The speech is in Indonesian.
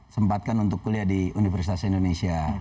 sempatkan untuk kuliah di universitas indonesia